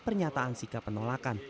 pernyataan sikap penolakan